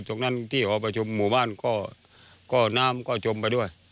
ตรงนั้นที่หอประชุมหมู่บ้านก็น้ำก็จมไปด้วย